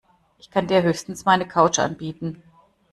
Ich kann dir höchstens meine Couch anbieten.